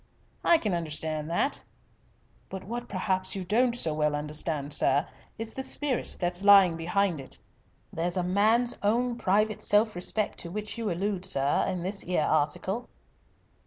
"I can understand that." "But what perhaps you don't so well understand, sir, is the spirit that's lying behind it. There's a man's own private self respect to which you allude, sir, in this 'ere article.